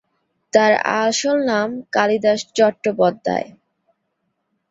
তাঁর আসল নাম কালিদাস চট্টোপাধ্যায়।